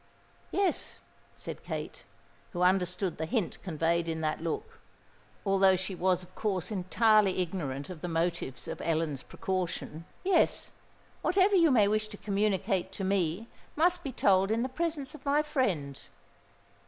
"Yes," said Kate, who understood the hint conveyed in that look, although she was of course entirely ignorant of the motives of Ellen's precaution: "yes—whatever you may wish to communicate to me must be told in the presence of my friend."